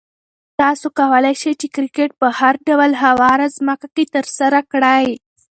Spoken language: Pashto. تاسو کولای شئ چې کرکټ په هر ډول هواره ځمکه کې ترسره کړئ.